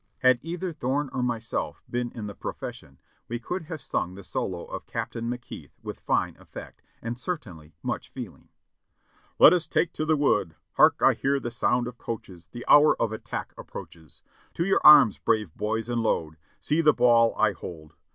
Had either Thorne or myself been in the "profession" we could have sung the solo of Captain Macheath with fine effect, and certainly much feeling: ON The watch 619 "Let us take to the wood, Hark I hear the sound of coaches, The hour of attack approaches. To your arms, brave boys, and load; See the ball I hold.